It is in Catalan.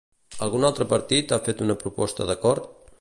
Algun altre partit ha fet una proposta d'acord?